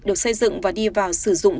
được xây dựng và đi vào sử dụng